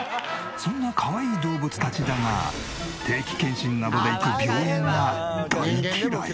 そんなかわいい動物たちだが定期健診などで行く「あっかわいい！」